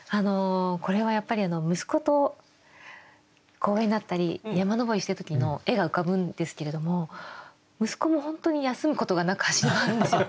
これはやっぱり息子と公園だったり山登りしてる時の絵が浮かぶんですけれども息子も本当に休むことがなく走り回るんですよ。